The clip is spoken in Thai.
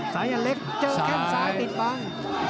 สายันเล็กเจอแข้งซ้ายติดบัง